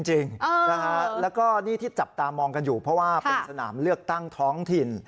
จริงนะฮะแล้วก็นี่ที่จับตามองกันอยู่เพราะว่าเป็นสนามเลือกตั้งท้องถิ่น